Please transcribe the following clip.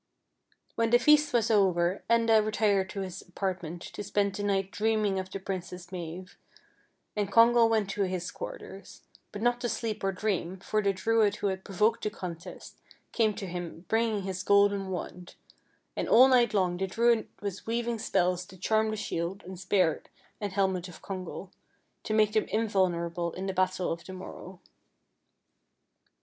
When the feast was over Enda retired to his apartment to spend the night dreaming of the Princess Mave, and Congal went to his quarters ; but not to sleep or dream, for the Druid who had provoked the contest came to him bringing his golden wand, and all night long the Druid was weaving spells to charm the shield and spear and helmet of Congal, to make them invulnerable in the battle of the morrow.